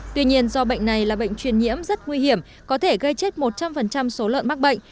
tuy nhiên do bệnh này là bệnh truyền nhiễm rất nguy hiểm có thể gây chết một trăm linh số lợn mắc bệnh